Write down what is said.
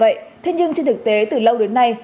vậy thế nhưng trên thực tế từ lâu đến nay